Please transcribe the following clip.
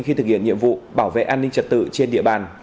khi thực hiện nhiệm vụ bảo vệ an ninh trật tự trên địa bàn